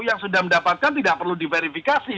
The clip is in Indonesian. yang sudah mendapatkan tidak perlu diverifikasi